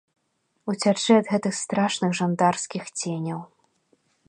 Уцячы ад гэтых страшных жандарскіх ценяў.